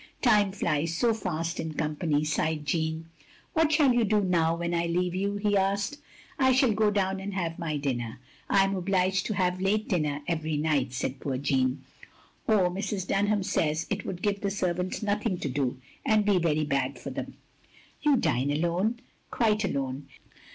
"Time flies so fast in company, " sighed Jeanne. "What shall you do now — ^when I leave you?" he asked. " I shall go down and have my dinner. I am obliged to have late dinner every night," said poor Jeanne, "or Mrs. Dunham says it would give the servants nothing to do, and be very bad for them. " "You dine alone? "Quite alone."